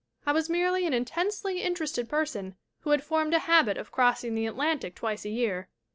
I was merely an intensely interested person who had formed a hah; of crossing the Atlantic twice a year.